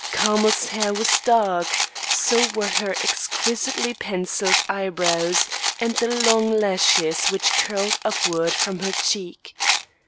Carmel's hair was dark; so were her exquisitely pencilled eye brows, and the long lashes which curled upward from her cheek.